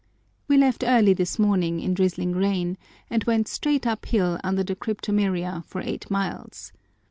We left early this morning in drizzling rain, and went straight up hill under the cryptomeria for eight miles.